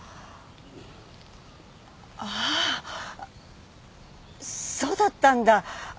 ああそうだったんだ。